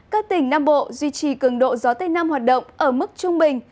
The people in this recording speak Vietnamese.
các tỉnh nam bộ duy trì cường độ gió tây nam hoạt động ở mức trung bình